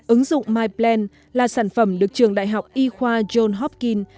ứng dụng myplan là sản phẩm được trường đại học y khoa john hopkin